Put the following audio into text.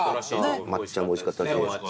抹茶もおいしかったし。